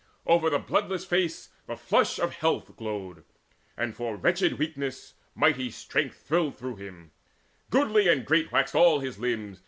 Over the bloodless face the flush of health Glowed, and for wretched weakness mighty strength Thrilled through him: goodly and great waxed all his limbs.